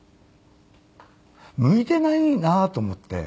向いてないなと思って。